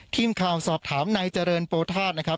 ทีมข่าวสอบถามนายเจริญโปธาตุนะครับ